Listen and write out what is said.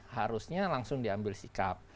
harusnya langsung diambil sikap